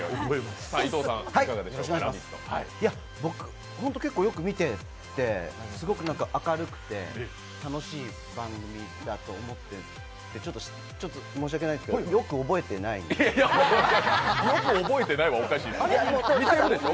僕、結構よく見ててすごく明るくて楽しい番組だと思って、ちょっと申し訳ないですけどよく覚えてないよく覚えてないはおかしいでしょ。